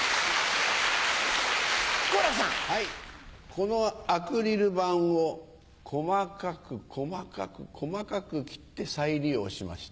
このアクリル板を細かく細かく細かく切って再利用しました。